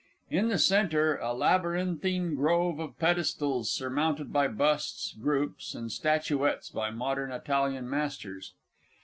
In the centre, a labyrinthine grove of pedestals, surmounted by busts, groups, and statuettes by modern Italian masters.